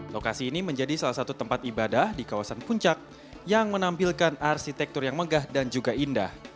lokasi ini menjadi salah satu tempat ibadah di kawasan puncak yang menampilkan arsitektur yang megah dan juga indah